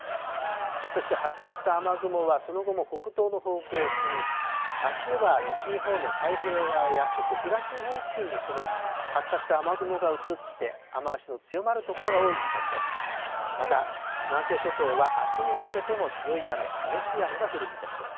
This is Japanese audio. そして発達した雨雲はその後も北東の方向へ進み、あすは西日本の太平洋側やそして東日本付近に、この発達した雨雲が移って、雨足の強まる所が多い見込みです。